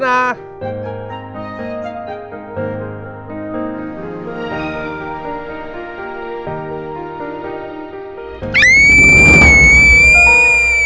tidak ada orang lagi